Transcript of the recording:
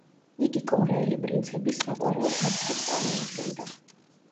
იგი კორეელი პრინცების საყვარელი ადგილს წარმოადგნდა.